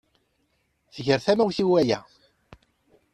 Tger tamawt i waya.